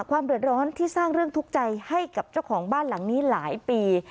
ความเดือดร้อนที่สร้างเรื่องทุกข์ใจให้กับเจ้าของบ้านหลังนี้หลายปี